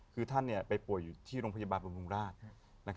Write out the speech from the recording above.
คือท่านไปป่วยอยู่ที่โรงพยาบาลบำรุงราช